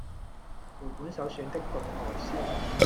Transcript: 回本首選的凍海鮮